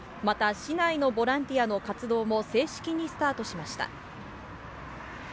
また市内のボランティアの活動も正式にスタートしました。